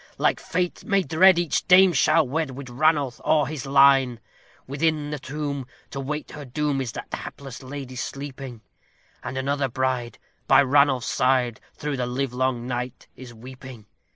Like fate may dread each dame shall wed with Ranulph or his line!" Within the tomb to await her doom is that hapless lady sleeping, And another bride by Ranulph's side through the livelong night is weeping.